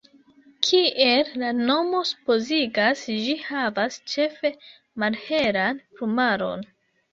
Kiel la nomo supozigas, ĝi havas ĉefe malhelan plumaron.